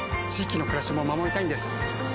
域の暮らしも守りたいんです。